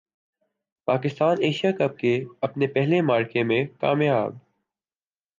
Pakistan Asia cup کے اپنے پہلے معرکے میں کامیاب